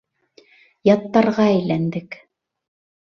Яттарға әйләндек.